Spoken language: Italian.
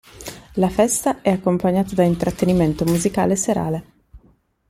La festa è accompagnata da intrattenimento musicale serale.